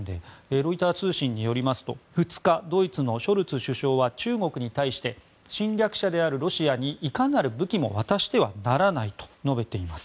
ロイター通信によりますと２日、ドイツのショルツ首相は中国に対して侵略者であるロシアにいかなる武器も渡してはならないと述べています。